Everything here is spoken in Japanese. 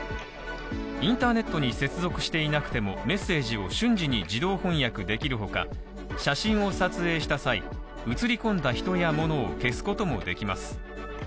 インターネットに接続していなくても、メッセージを瞬時に自動翻訳できるほか、写真を撮影した際、映り込んだ人や物を消すこともできます。